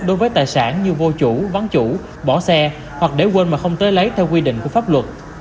đối với tài sản như vô chủ ván chủ bỏ xe hoặc để quên mà không tới lấy theo quy định của pháp luật